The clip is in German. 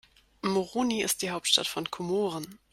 Moroni ist die Hauptstadt von Komoren.